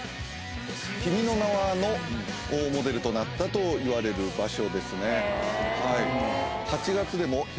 『君の名は。』のモデルとなったといわれる場所ですね。